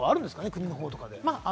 国のほうとかで。